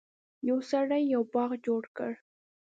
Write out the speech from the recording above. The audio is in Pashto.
یو سړي یو باغ جوړ کړ.